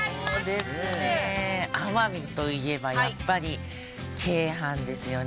奄美といえばやっぱり鶏飯ですよね。